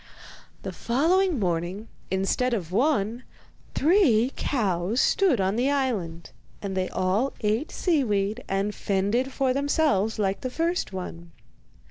The following morning, instead of one, three cows stood on the island, and they all ate seaweed and fended for themselves like the first one.